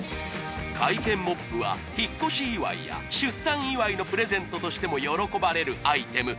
回転モップは引っ越し祝いや出産祝いのプレゼントとしても喜ばれるアイテム